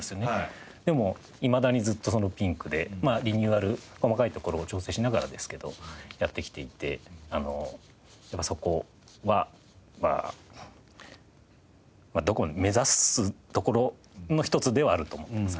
でもいまだにずっとそのピンクでリニューアル細かいところを調整しながらですけどやってきていてやっぱりそこは目指すところの一つではあると思ってます。